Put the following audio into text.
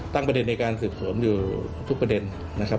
ประเด็นในการสืบสวนอยู่ทุกประเด็นนะครับ